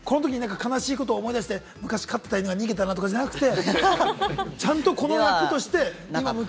悲しいことを思い出してとかじゃない、昔飼ってた犬が逃げたなとかじゃなくて。